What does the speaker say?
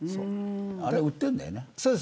あれ、売ってるんだよな。